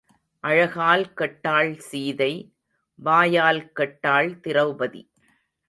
அழகால் கெட்டாள் சீதை, வாயால் கெட்டாள் திரெளபதி.